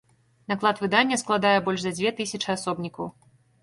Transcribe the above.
Наклад выдання складае больш за дзве тысячы асобнікаў.